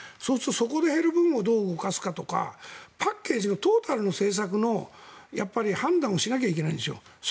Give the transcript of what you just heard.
そうするとそこで減る部門をどうするかとかパッケージのトータルの政策の判断をしなきゃいけないんですよ。